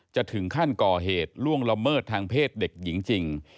จะถึงขั้นก่อเหตุล่วงละเมิดทางเพศเด็กหญิงจริง